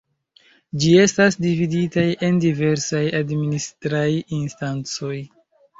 Ĝi estas dividitaj en diversaj administraj instancoj.